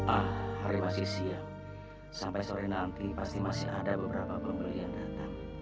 ah hari masih siang sampai sore nanti pasti masih ada beberapa pembelian